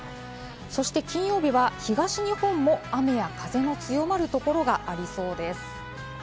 そして金曜日は東日本も雨や風の強まる所がありそうです。